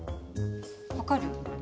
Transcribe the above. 分かる？